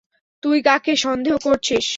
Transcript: তুই কাকে সন্দেহ করছিস?